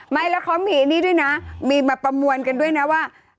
ไม่แล้วเขามีอันนี้ด้วยนะมีมาประมวลกันด้วยนะว่า